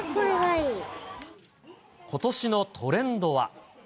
ことしのトレンドは。